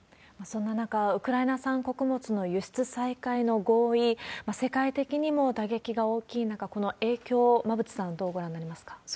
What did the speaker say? そんな中、ウクライナ産穀物の輸出再開の合意、世界的にも打撃が大きい中、この影響、馬渕さん、どうご覧になりますか？